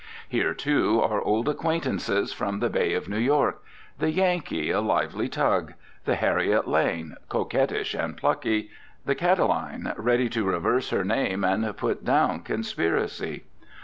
Here, too, are old acquaintances from the bay of New York, the "Yankee," a lively tug, the "Harriet Lane," coquettish and plucky, the "Catiline," ready to reverse her name and put down conspiracy.